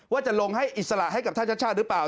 ว่าจะลงให้อิสระให้กับท่านชาติชาติหรือเปล่า